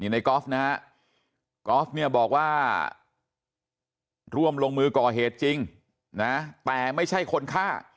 ในกอล์ฟนะฮะกอล์ฟเนี่ยบอกว่าร่วมลงมือก่อเหตุจริงนะแต่ไม่ใช่คนฆ่า